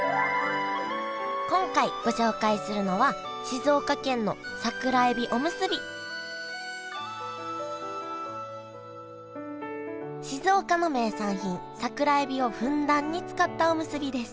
今回ご紹介するのは静岡の名産品桜えびをふんだんに使ったおむすびです。